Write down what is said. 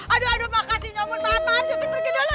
aduh aduh makasih nyomut maaf maaf surti pergi dulu